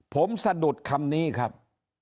ผมสะดุดคำนี้ครับ